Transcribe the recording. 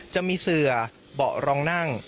จะมีเสือเบาะรองนั่ง